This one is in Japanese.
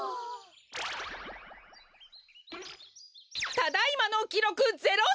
ただいまのきろく０センチ！